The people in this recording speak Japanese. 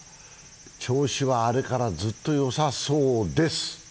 調子はあれからずっとよさそうです。